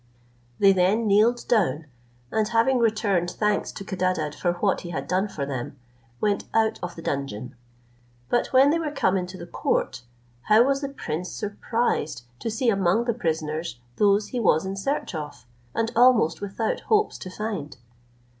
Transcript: They then kneeled down, and having returned thanks to Codadad for what he had done for them, went out of the dungeon; but when they were come into the court, how was the prince surprised to see among the prisoners, those he was in search of, and almost without hopes to find!